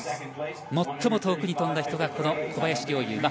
最も遠くに飛んだ人が小林陵侑。